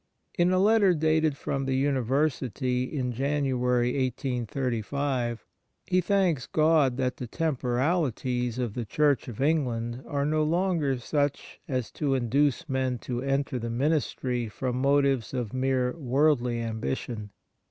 In a letter dated from the University in January, 1835, he thanks God that the temporali ties of the Church of England are no longer such as to induce men to enter the ministry from motives of mere worldly ambition.